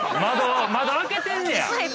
◆窓、開けてんねや。